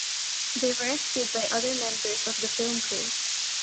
They were rescued by other members of the film crew.